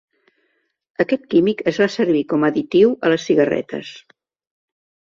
Aquest químic es fa servir com a additiu a les cigarretes.